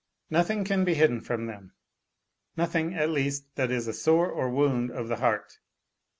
Nothing can be hidden from them, nothing, at least, that is a sore or wound of the heart.